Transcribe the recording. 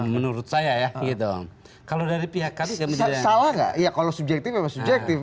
menurut saya ya gitu kalau dari pihak kami salah nggak iya kalau subjektif subjektif